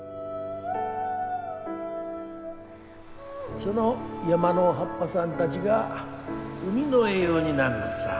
その山の葉っぱさんたちが海の栄養になんのっさ。